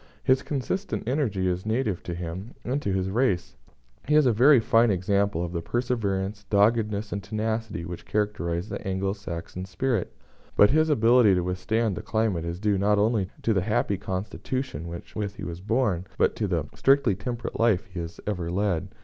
His consistent energy is native to him and to his race. He is a very fine example of the perseverance, doggedness, and tenacity which characterise the Anglo Saxon spirit; but his ability to withstand the climate is due not only to the happy constitution with which he was born, but to the strictly temperate life he has ever led.